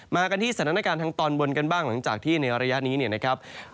มากันที่สถานการณ์ทางตอนบนกันบ้างหลังจากที่ในระยะนี้เนี่ยนะครับ